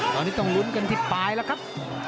ตอนนี้ต้องลุ้นกันที่ปลายแล้วครับ